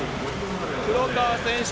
黒川選手